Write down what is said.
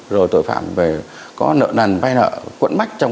rồi tội phạm về có nợ nằn vay nợ quẫn mách